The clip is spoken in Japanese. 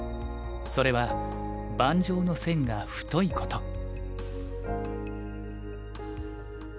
それは盤上の線が太いこと。